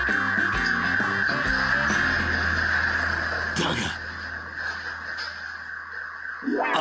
［だが］